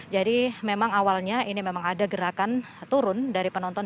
jadi memang awalnya ini memang ada gerakan turun dari penonton